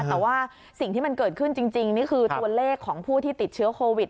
แต่ว่าสิ่งที่มันเกิดขึ้นจริงนี่คือตัวเลขของผู้ที่ติดเชื้อโควิด